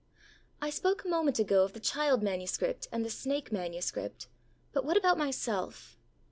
I spoke a moment ago of the child manuscript and the snake manuscript; but what about myself?